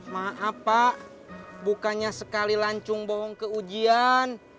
maaf pak bukannya sekali lancung bohong ke ujian